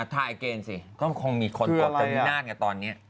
ทายอีเกนสิก็คงมีคนกดกรรมินาทกับตอนนี้